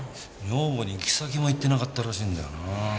女房に行き先も言ってなかったらしいんだよな。